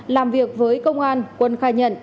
làm việc với công an quân khai nhận